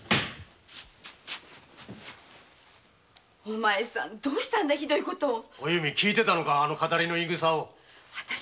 お前さんどうしてあんなひどいことを聞いてたのかあのカタリの言いぐさを。